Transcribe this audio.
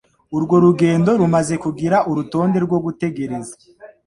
Urwo rugendo rumaze kugira urutonde rwo gutegereza.